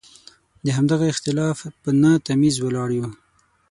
د همدغه اختلاف په نه تمیز ولاړ یو.